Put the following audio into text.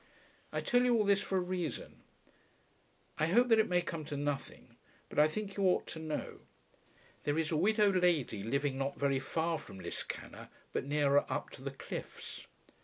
I tell you all this for a reason. I hope that it may come to nothing, but I think that you ought to know. There is a widow lady living not very far from Liscannor, but nearer up to the cliffs.